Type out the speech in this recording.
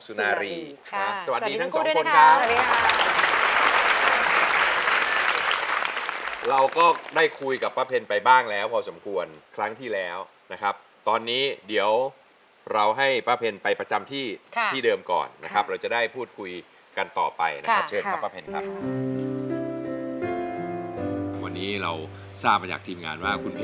สวัสดีทั้งคู่ด้วยนะครับสวัสดีครับ